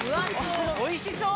おいしそう！